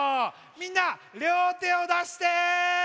みんなりょうてをだして。